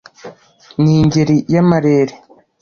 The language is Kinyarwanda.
ni ingeri y’amarere